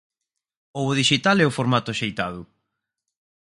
Ou o dixital é o formato axeitado?